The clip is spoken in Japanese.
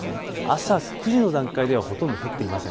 朝９時の段階ではほとんど降っていません。